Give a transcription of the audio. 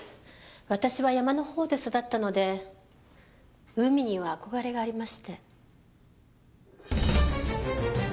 私は山のほうで育ったので海には憧れがありまして。